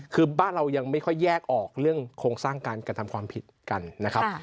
คือบ้านเรายังไม่ค่อยแยกออกเรื่องโครงสร้างการกระทำความผิดกันนะครับ